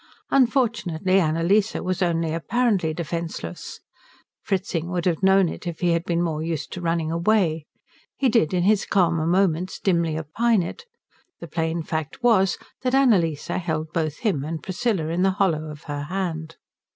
Unfortunately Annalise was only apparently defenceless. Fritzing would have known it if he had been more used to running away. He did, in his calmer moments, dimly opine it. The plain fact was that Annalise held both him and Priscilla in the hollow of her hand.